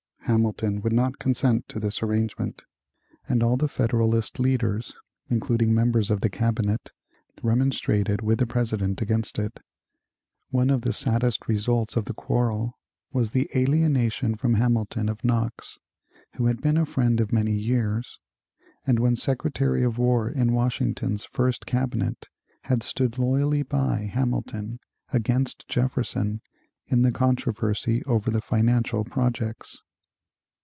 Hamilton would not consent to this arrangement, and all the Federalist leaders, including members of the cabinet, remonstrated with the President against it. One of the saddest results of the quarrel was the alienation from Hamilton of Knox, who had been a friend of many years and when Secretary of War in Washington's first cabinet had stood loyally by Hamilton against Jefferson in the controversy over the financial projects.